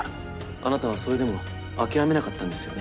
あなたはそれでも諦めなかったんですよね？